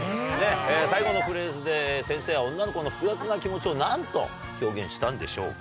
最後のフレーズで先生は女の子の複雑な気持ちを何と表現したんでしょうか？